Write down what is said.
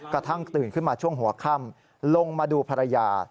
กระทั่งตื่นขึ้นมาช่วงหัวค่ำลงมาดูภรรยา